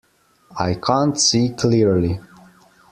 I can't see clearly.